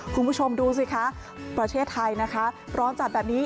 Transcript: คุณผู้ชมดูสิคะประเทศไทยนะคะร้อนจัดแบบนี้